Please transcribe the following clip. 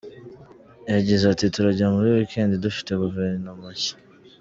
Yagize ati "Turajya muri Wikendi dufite Guverinoma nshya.